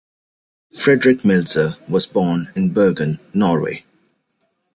Fredrik Meltzer was born in Bergen, Norway.